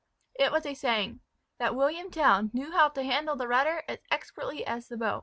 It was a saying, "That William Tell knew how to handle the rudder as expertly as the bow."